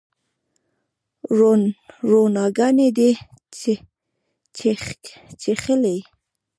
روڼاګاني دي چیښلې